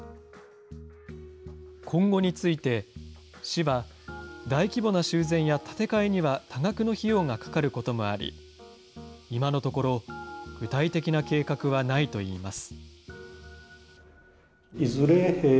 今後について、市は大規模な修繕や建て替えには多額の費用がかかることもあり、今のところ、具体的な計画はないといいます。